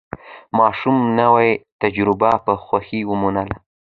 ماشوم نوې تجربه په خوښۍ ومنله